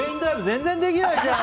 全然できないじゃん！